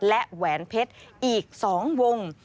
และแหวนเพชรอีก๒วง